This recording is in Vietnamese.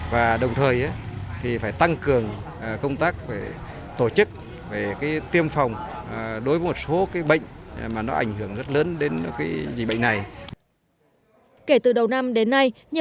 và đồng thời thì phải tăng cường công tác tổ chức về tiêm phòng đối với một số bệnh mà nó ảnh hưởng rất lớn